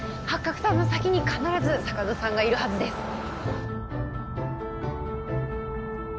ハッカクさんの先に必ず坂戸さんがいるはずです